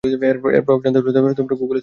এর প্রভাব জানতে হলে গুগলে সার্চ করুন।